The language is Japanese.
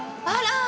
あら。